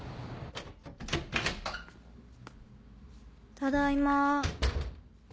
ただいま。